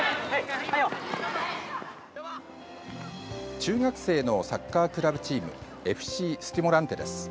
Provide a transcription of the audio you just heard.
中学生のサッカークラブチームＦ．Ｃ．スティモランテです。